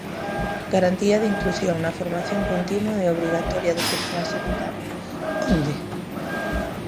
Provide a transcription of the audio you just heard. Garantía de inclusión na formación continua e obrigatoria do persoal sanitario, ¿onde?